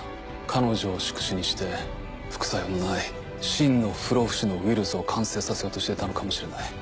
彼女を宿主にして副作用のない真の不老不死のウイルスを完成させようとしていたのかもしれない。